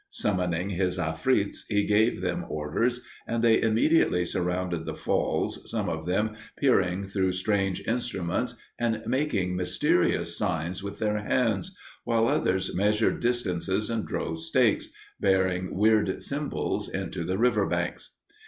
Summoning his afrits, he gave them orders, and they immediately surrounded the falls, some of them peering through strange instruments and making mysterious signs with their hands, while others measured distances and drove stakes, bearing weird symbols, into the river banks.